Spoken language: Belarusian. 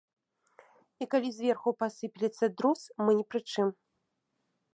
І калі зверху пасыплецца друз, мы ні пры чым.